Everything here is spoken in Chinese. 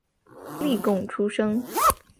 例贡出身。